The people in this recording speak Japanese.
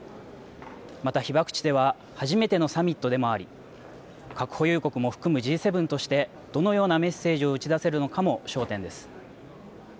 また被爆地では初めてのサミットでもあり核保有国も含むＧ７としてどのようなメッセージを打ち出せるのかも焦点です。